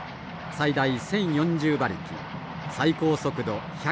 最大１，０４０馬力最高速度１００キロ。